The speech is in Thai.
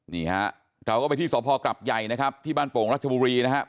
นี่ฮะเราก็ไปที่สพกรับใหญ่นะครับที่บ้านโป่งรัชบุรีนะครับ